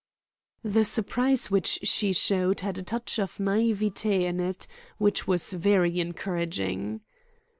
The surprise which she showed had a touch of naivete in it which was very encouraging.